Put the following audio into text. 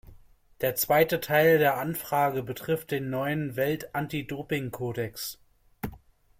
Der zweite Teil der Anfrage betrifft den neuen Welt-Antidopingkodex.